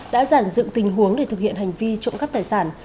đã giản dựng tình huống để thực hiện hành vi trộm cắp tài sản